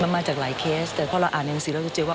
มันมาจากหลายเคสแต่พอเราอ่านในหนังสือเราจะเจอว่า